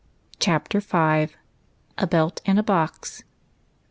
CHAPTER V. A BELT AND A BOX.